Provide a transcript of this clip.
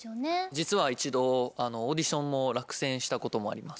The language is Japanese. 実は一度オーディションも落選したこともあります。